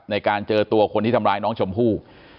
ในการเจอตัวคนที่ทำร้ายน้องชมพู่